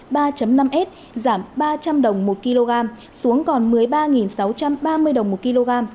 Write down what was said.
dầu ma rút một trăm tám mươi cst ba năm s giảm ba trăm linh đồng một kg xuống còn một mươi ba sáu trăm ba mươi đồng một kg